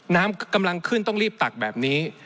น้ำกำลังขึ้นต้องรีบตักแบบนี้